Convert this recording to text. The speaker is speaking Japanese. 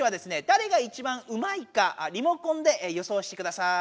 誰がいちばんうまいかリモコンで予想してください。